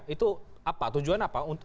itu apa tujuan apa